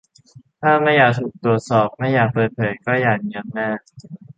ถ้าไม่อยากถูกตรวจสอบ ไม่อยากเปิดเผย ก็อย่ามีอำนาจ